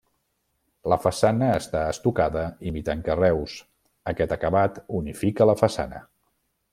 La façana està estucada imitant carreus, aquest acabat unifica la façana.